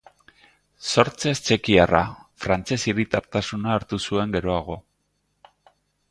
Sortzez txekiarra, frantses hiritartasuna hartu zuen geroago.